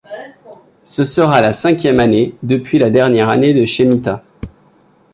Ce sera la cinquième année depuis la dernière année de chemitta.